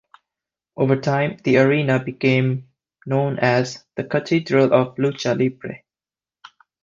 Over time the arena became known as "The Cathedral of Lucha Libre".